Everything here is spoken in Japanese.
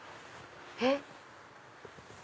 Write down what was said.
えっ？